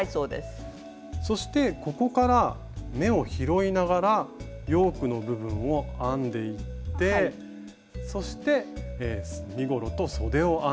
そしてここから目を拾いながらヨークの部分を編んでいってそして身ごろとそでを編んでいくと。